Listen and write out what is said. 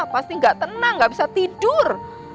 pasti gak tenang gak bisa tidur